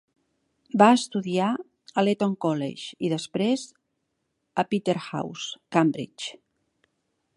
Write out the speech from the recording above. Va estudiar a l'Eton College i després a Peterhouse (Cambridge).